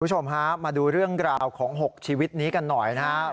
คุณผู้ชมฮะมาดูเรื่องราวของ๖ชีวิตนี้กันหน่อยนะครับ